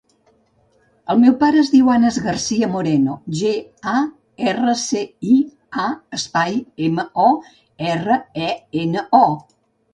El meu pare es diu Anas Garcia Moreno: ge, a, erra, ce, i, a, espai, ema, o, erra, e, ena, o.